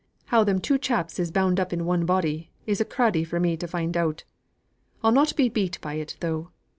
How them two chaps is bound up in one body, is a craddy for me to find out. I'll not be beat by it, though.